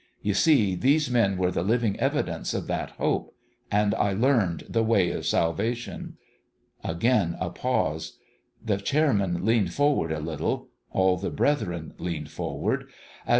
You see, these men were the living evidence of that hope. And I learned ' the way of salvation.' " Again a pause : the chairman leaned forward a little all the brethren leaned forward as the